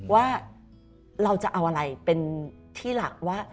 ว่าเราจะเอาอะไรเป็นที่หลักว่า